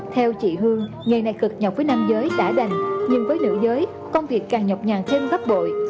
theo chị hương nghề này cực nhọc với nam giới đã đành nhưng với nữ giới công việc càng nhọc nhà thêm gấp bội